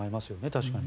確かに。